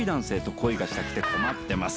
恋がしたくて困ってます。